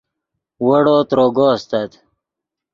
ویڑو تروگو استت